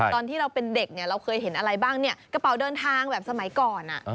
ตอนที่เราเป็นเด็กเนี่ยเราเคยเห็นอะไรบ้างเนี่ยกระเป๋าเดินทางแบบสมัยก่อน